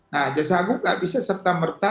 nah jaksa agung nggak bisa serta merta